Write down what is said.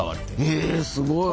へえすごい。